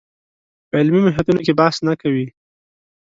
په علمي محیطونو کې بحث نه کوي